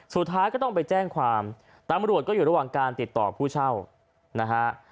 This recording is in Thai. สู่ท้ายก็ต้องไปแจ้งความตามรวดก็อยู่ตะวังการติดต่อผู้เช่านะครับ